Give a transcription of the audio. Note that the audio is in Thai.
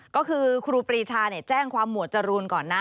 ก็คือครูปรีชาแจ้งความหมวดจรูนก่อนนะ